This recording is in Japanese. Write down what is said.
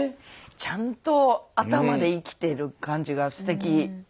ちゃんと頭で生きてる感じがすてき。